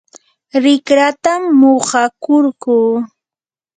rikratam muqakurquu.